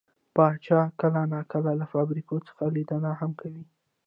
پاچا کله نا کله له فابريکو څخه ليدنه هم کوي .